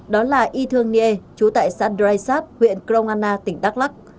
đó là y thương nghê chú tại xã drysap huyện kronana tỉnh đắk lắc